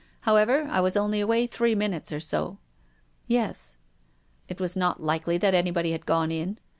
However, I was only away three minutes or so." "Yes," " It was not likely that anybody had gone in."